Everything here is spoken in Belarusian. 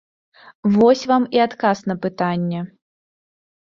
Вось вам і адказ на пытанне.